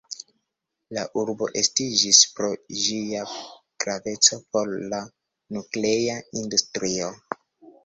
La urbo estiĝis pro ĝia graveco por la nuklea industrio.